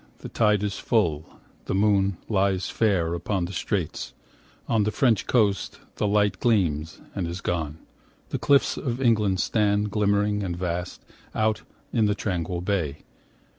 The tide is full, the moon lies fair Upon the straits; on the French coast the light Gleams and is gone; the cliffs of England stand, Glimmering and vast, out in the tranquil bay.